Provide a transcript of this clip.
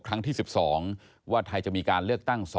ที่๑๒ว่าไทยจะมีการเลือกตั้ง๒